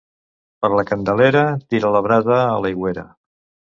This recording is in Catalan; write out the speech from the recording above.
Per la Candelera tira la brasa a l'aigüera.